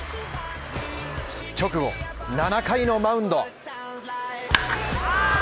直後、７回のマウンド。